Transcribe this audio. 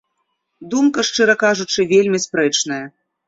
Думка, шчыра кажучы, вельмі спрэчная.